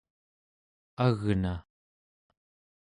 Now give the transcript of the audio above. agna